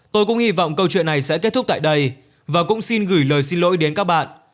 tôi cũng hy vọng câu chuyện này sẽ kết thúc tại đây và cũng xin gửi lời xin lỗi đến các bạn